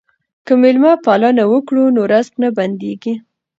که مېلمه پالنه وکړو نو رزق نه بندیږي.